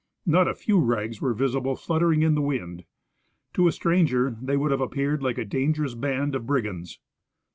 Not a few rags were visible fluttering in the wind. To a stranger they would have appeared like a dangerous band of brigands.